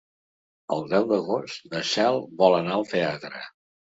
El deu d'agost na Cel vol anar al teatre.